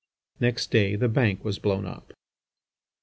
Next day the Bank was blown up.